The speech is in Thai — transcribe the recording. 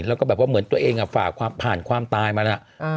แล้วก็แบบว่าเหมือนตัวเองฝากผ่านความตายมาแล้ว